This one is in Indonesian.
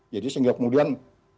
jadi sehingga kemudian